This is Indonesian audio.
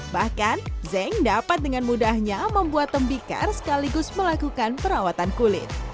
bahkan zeng dapat dengan mudahnya membuat tembikar sekaligus melakukan perawatan kulit